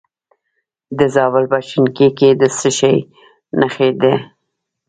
د زابل په شنکۍ کې د څه شي نښې دي؟